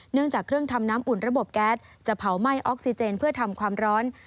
จากเครื่องทำน้ำอุ่นระบบแก๊สจะเผาไหม้ออกซิเจนเพื่อทำความร้อน